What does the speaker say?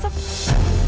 amira kamu mau pulang